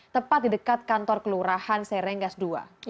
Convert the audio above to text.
tepat di dekat kantor kelurahan serenggas ii